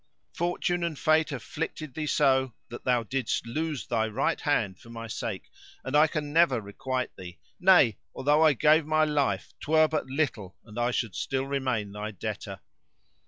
Fortune and Fate afflicted thee so that thou didst lose thy right hand for my sake; and I can never requite thee; nay, although I gave my life 'twere but little and I should still remain thy debtor."